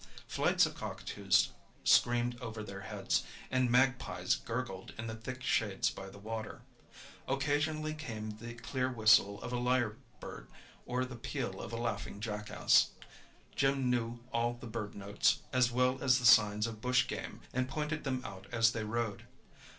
Flights of cockatoos screamed over their heads, and magpies gurgled in the thick shades by the water. Occasionally came the clear whistle of a lyre bird or the peal of a laughing jackass. Jim knew all the bird notes, as well as the signs of bush game, and pointed them out as they rode.